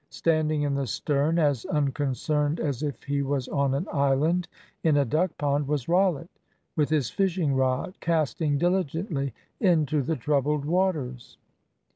Standing in the stern as unconcerned as if he was on an island in a duck pond, was Rollitt with his fishing rod, casting diligently into the troubled waters.